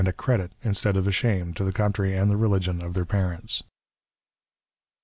XIX a credit, instead of a shame, to the country and the religion of their parents.